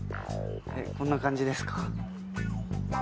こんな感じですか？